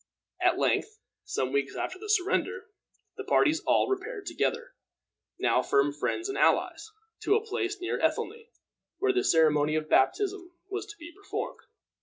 At length, some weeks after the surrender, the parties all repaired together, now firm friends and allies, to a place near Ethelney, where the ceremony of baptism was to be performed.